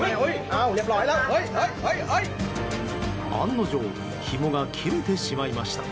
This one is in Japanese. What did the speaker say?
案の定ひもが切れてしまいました。